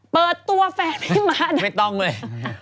เปิดตัวแฟนพี่มะไม่ต้องเลย